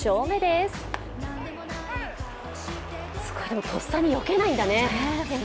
すごい、でもとっさによけないんだね。